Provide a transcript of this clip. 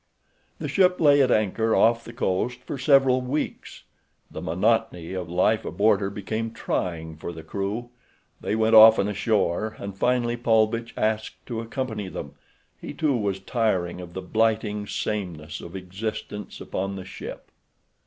The ship lay at anchor off the coast for several weeks. The monotony of life aboard her became trying for the crew. They went often ashore, and finally Paulvitch asked to accompany them—he too was tiring of the blighting sameness of existence upon the ship.